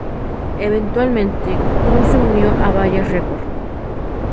Eventualmente Cruz se unió a Vaya Records.